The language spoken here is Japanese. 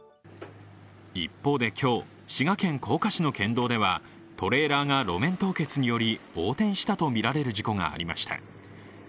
一方で、今日、滋賀県甲賀市の県道ではトレーラーが路面凍結により横転したとみられる事故がありました。